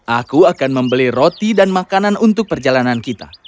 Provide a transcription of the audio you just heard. aku akan membeli roti dan makanan untuk perjalanan kita